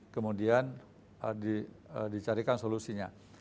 kemudian dicarikan solusinya